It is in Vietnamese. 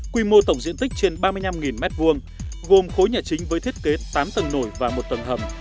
quy mô tổng diện tích trên ba mươi năm m hai gồm khối nhà chính với thiết kế tám tầng nổi và một tầng hầm